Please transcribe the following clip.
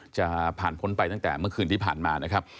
จะผ่านพ้นไปตั้งแต่เมื่อคืนที่ผ่านมานะครับ